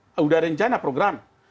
sudah rencana program